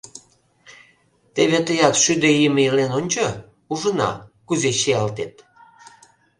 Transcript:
— Теве тыят шӱдӧ ийым илен ончо, ужына, кузе чиялтет...